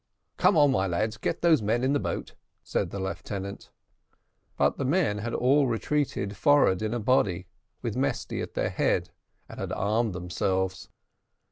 "Come, my lads, get those men in the boat," said the lieutenant. But the men had all retreated forward in a body, with Mesty at their head, and had armed themselves.